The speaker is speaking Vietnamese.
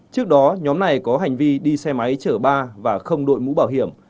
trước đó nhóm này có hành vi đi xe máy chở ba và không đội mũ bảo hiểm